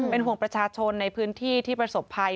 เป็นห่วงประชาชนในพื้นที่ที่ประสบภัย